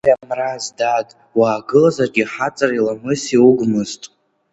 Ҭемраз, дад, уаагылазаргьы хаҵареи ламыси угмызт.